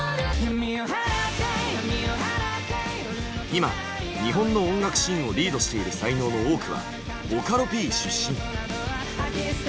今日本の音楽シーンをリードしている才能の多くはボカロＰ出身。